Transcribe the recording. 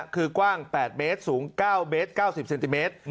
คือกว้าง๘เมตรสูง๙เมตร๙๐เซนติเมตร